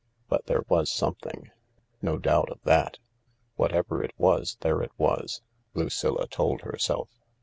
But there was something. No doubt of that. Whatever it was, there it was, Lucilla told herself.